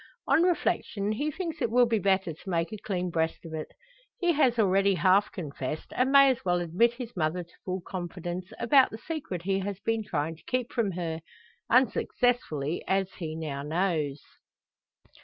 On reflection he thinks it will be better to make a clean breast of it. He has already half confessed, and may as well admit his mother to full confidence about the secret he has been trying to keep from her unsuccessfully, as he now knows.